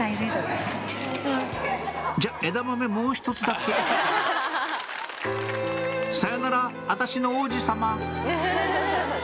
じゃ枝豆もう１つだけ「さよなら私の王子様」